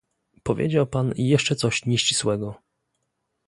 Powiedział pan jeszcze coś nieścisłego